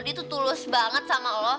dia tuh tulus banget sama allah